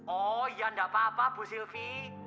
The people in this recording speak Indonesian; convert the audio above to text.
oh ya nggak apa apa bu sylvi